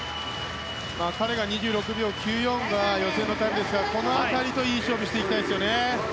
彼が、２６秒９４が予選のタイムですからこの辺りといい勝負していきたいですね。